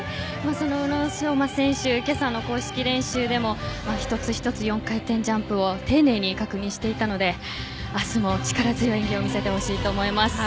その宇野昌磨選手は今朝の公式練習でも１つ１つ、４回転ジャンプを丁寧に確認していたので明日も力強い演技を見せてほしいと思います。